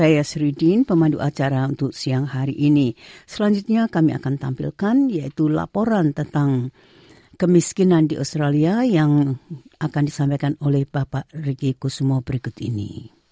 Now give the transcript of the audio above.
yaitu laporan tentang kemiskinan di australia yang akan disampaikan oleh bapak regi kusumo berikut ini